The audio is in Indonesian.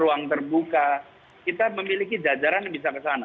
ruang terbuka kita memiliki jajaran yang bisa kesana